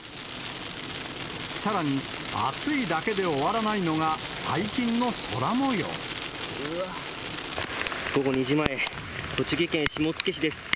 さらに暑いだけで終わらないのが午後２時前、栃木県下野市です。